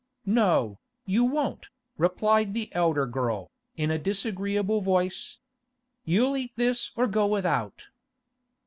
'No, you won't,' replied the elder girl, in a disagreeable voice. 'You'll eat this or go without.